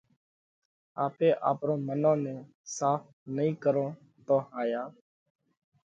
آپي آپرون منون نئہ ساڦ نئي ڪرون تو ھايا